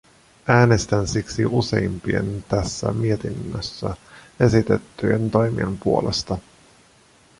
Äänestän siksi useimpien tässä mietinnössä esitettyjen toimien puolesta.